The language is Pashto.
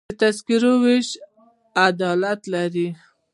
د تذکرو ویش عاید لري